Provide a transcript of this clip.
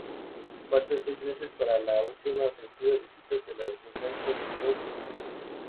Faltan seis meses para las últimas ofensivas vistas en La venganza de los Sith.